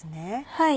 はい。